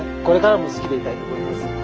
これからも好きでいたいと思います。